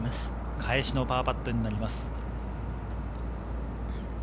返しのパーパットになります。